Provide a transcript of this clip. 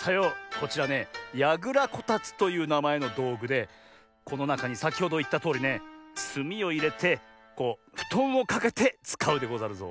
こちらね「やぐらこたつ」というなまえのどうぐでこのなかにさきほどいったとおりねすみをいれてこうふとんをかけてつかうでござるぞ。